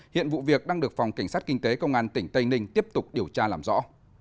hiện vụ việc đang được phòng cảnh sát kinh tế công an tỉnh tây ninh tiếp tục điều tra làm rõ